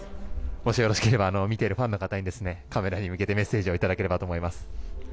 もしよろしければ見ているファンの方にカメラに向けてメッセージを頂ければと思います。